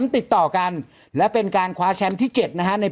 พี่ปั๊ดเดี๋ยวมาที่ร้องให้